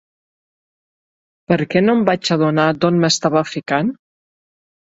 ¿Per què no em vaig adonar d'on m'estava ficant?